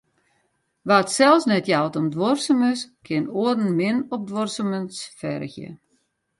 Wa't sels net jout om duorsumens, kin oaren min op duorsumens fergje.